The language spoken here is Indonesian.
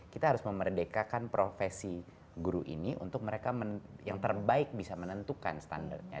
kita harus memerdekakan profesi guru ini untuk mereka yang terbaik bisa menentukan standarnya